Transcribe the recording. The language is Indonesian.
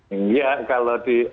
iya kalau di